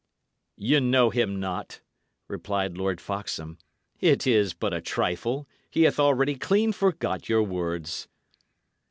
"Ye know him not," replied Lord Foxham. "It is but a trifle; he hath already clean forgot your words."